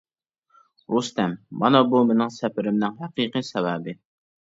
رۇستەم، مانا بۇ مېنىڭ سەپىرىمنىڭ ھەقىقىي سەۋەبى.